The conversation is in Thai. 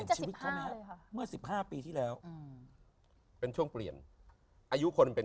เดือนตั้งแต่๑วันเท่า๖๔๙๐๐นน